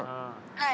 はい。